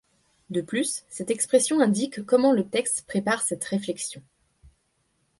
De plus, cette expression indique comment le texte prépare cette réflexion.